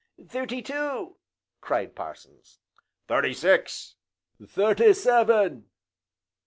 "Thirty two!" cried Parsons. "Thirty six!" "Thirty seven!"